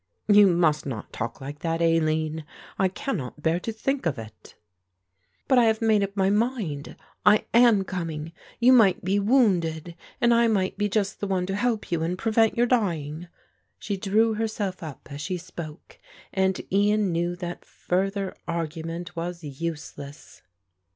"You must not talk like that, Aline; I cannot bear to think of it." "But I have made up my mind. I am coming. You might be wounded and I might be just the one to help you and prevent your dying." She drew herself up as she spoke and Ian knew that further argument was useless.